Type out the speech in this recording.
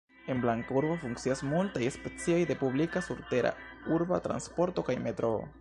En Blanka urbo funkcias multaj specoj de publika surtera urba transporto kaj metroo.